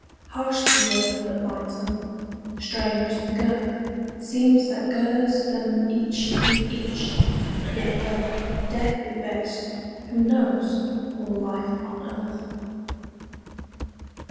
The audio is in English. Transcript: Harsh the yoke that binds them, strange the girth Seems that girds them each with each: yet whether Death be best, who knows, or life on earth?